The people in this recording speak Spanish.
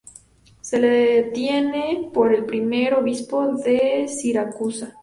Se le tiene por el primer obispo de Siracusa.